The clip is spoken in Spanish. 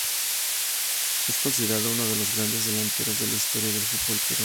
Es considerado uno de los grandes delanteros de la historia del fútbol peruano.